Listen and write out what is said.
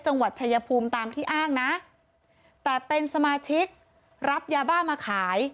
จังหวัดชายภูมิตามที่อ้างนะแต่เป็นสมาชิกรับยาบ้ามาขาย